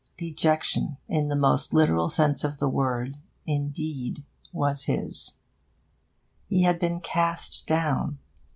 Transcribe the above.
Dejection, in the most literal sense of the word, indeed was his. He had been cast down.